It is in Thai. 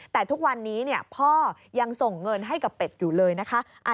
แต่ทุกวันนี้พ่อยังส่งเงินให้กับเป็ดอยู่เลยนะคะ